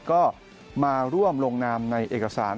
ก็มาร่วมลงนามในเอกสาร